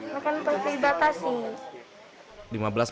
mereka kan pasti batasi